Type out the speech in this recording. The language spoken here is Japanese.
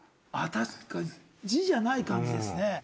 確かに字じゃない感じですね。